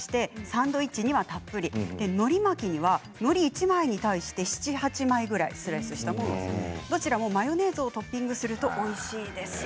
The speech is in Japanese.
サンドイッチにたっぷりのり巻きにはのり１枚対して７から８枚ぐらいどちらもマヨネーズをトッピングするとおいしいです。